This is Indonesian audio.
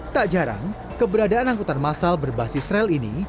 tak jarang keberadaan angkutan masal berbasis rel ini